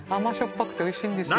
ぱくておいしいんですよ